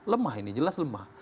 lemah ini jelas lemah